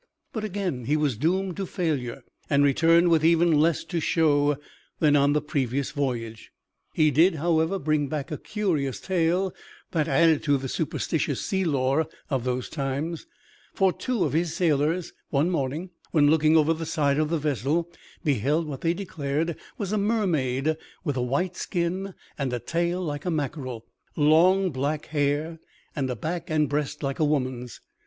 But again he was doomed to failure and returned with even less to show than on the previous voyage. He did, however, bring back a curious tale that added to the superstitious sea lore of those times, for two of his sailors one morning when looking over the side of the vessel beheld what they declared was a mermaid with a white skin and a tail like a mackerel, long, black hair, and a back and breast like a woman's.